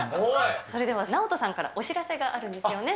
それではＮＡＯＴＯさんからお知らせがあるんですよね。